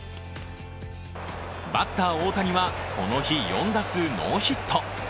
バッター・大谷はこの日、４打数ノーヒット。